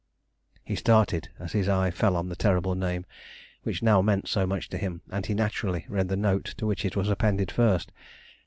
He started as his eye fell on the terrible name, which now meant so much to him, and he naturally read the note to which it was appended first.